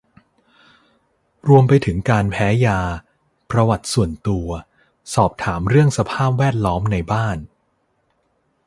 รวมไปถึงการแพ้ยา ประวัติส่วนตัว สอบถามเรื่องสภาพแวดล้อมในบ้าน